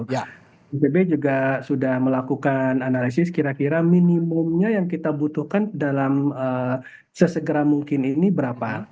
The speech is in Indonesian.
ya bpb juga sudah melakukan analisis kira kira minimumnya yang kita butuhkan dalam sesegera mungkin ini berapa